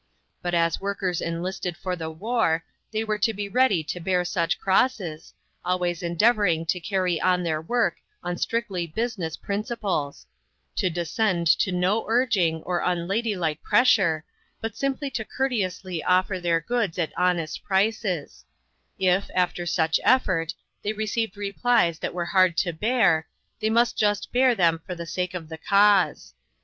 But as workers enlisted for the war, they were to be ready to bear such crosses, always endeavoring to carry on their work on strictly business principles ; to descend to no urging or unlady like pressure, but simply to courteously offer their goods at honest prices ; if, after such effort, they received replies that were hard to bear, they must just bear them for the sake of the cause.